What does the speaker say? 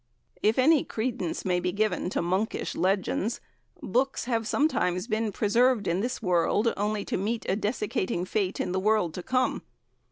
If any credence may be given to Monkish legends, books have sometimes been preserved in this world, only to meet a desiccating fate in the world to come.